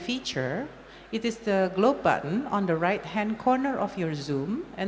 itu adalah butang gelap di sudut kanan kanan zoom anda